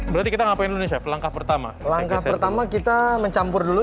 berarti kita ngapain dulu chef langkah pertama langkah pertama kita mencampur dulu